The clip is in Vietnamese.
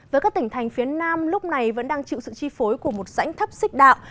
với các tỉnh thành phía nam lúc này vẫn đang chịu sự chi phối của một dãnh thấp xích đạo